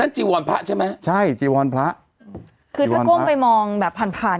จีวรพระใช่ไหมใช่จีวรพระอืมคือถ้าก้มไปมองแบบผ่านผ่าน